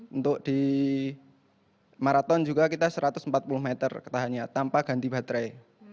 untuk di maraton juga kita satu ratus empat puluh meter ketahannya tanpa ganti baterai